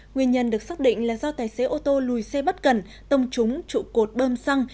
nguyên nhân được xác định là do tài xế ô tô lùi xe bất cần tông trúng trụ cột bơm xăng